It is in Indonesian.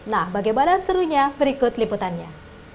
nah bagaimana serunya berikut liputannya